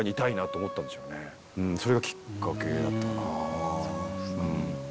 それがきっかけだったな。